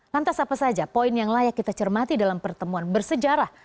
lantas apa saja poin yang layak kita cermati dalam pertemuan bersejarah